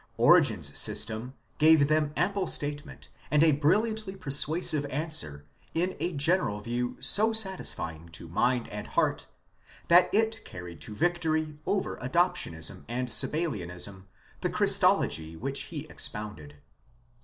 Origen's system gave them ample statement and a brilliantly persuasive answer in a general view so satis fying to mind and heart that it carried to victory over Adop tionism and Sabellianism the Christology which he expounded.